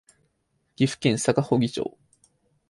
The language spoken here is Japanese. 岐阜県坂祝町